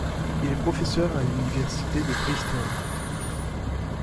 Il est professeur à l'Université de Princeton.